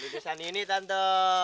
ludesan ini tante